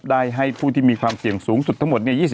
ได้ให้ผู้ที่มีความเสี่ยงสูงสุดทั้งหมด